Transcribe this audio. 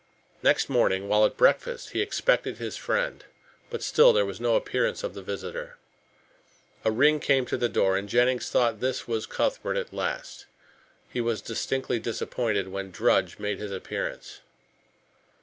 Next morning, while at breakfast, he expected his friend, but still there was no appearance of the visitor. A ring came to the door and Jennings thought that this was Cuthbert at last. He was distinctly disappointed when Drudge made his appearance.